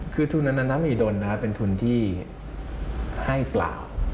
คือทุนนานน้ำหิดลเป็นทุนที่ให้เปล่า